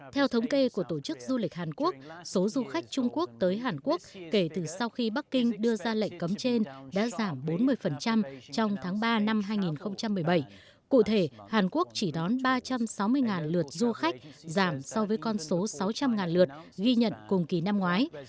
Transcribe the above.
theo thống kê của tổ chức du lịch hàn quốc số du khách trung quốc tới hàn quốc kể từ sau khi bắc kinh đưa ra lệnh cấm trên đã giảm bốn mươi trong tháng ba năm hai nghìn một mươi bảy cụ thể hàn quốc chỉ đón ba trăm sáu mươi lượt du khách giảm so với con số sáu trăm linh lượt ghi nhận cùng kỳ năm ngoái